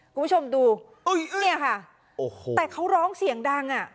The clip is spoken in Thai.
คุณผู้ชมดูอุ้ยเนี่ยค่ะโอ้โหแต่เขาร้องเสียงดังอ่ะ